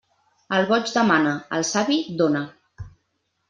El boig demana, el savi dóna.